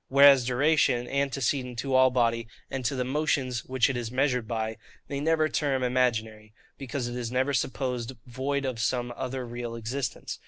Whereas duration, antecedent to all body, and to the motions which it is measured by, they never term imaginary: because it is never supposed void of some other real existence.